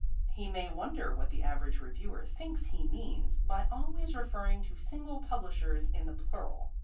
He may wonder what the average reviewer thinks he means by always referring to single publishers in the plural.